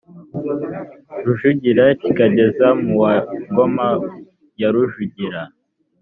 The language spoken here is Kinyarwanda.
rujugira kikageza mu wa ingoma ya rujugira